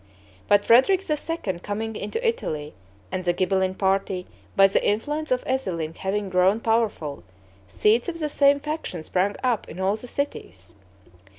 But Frederick II. coming into Italy, and the Ghibelline party, by the influence of Ezelin having grown powerful, seeds of the same faction sprang up in all the cities.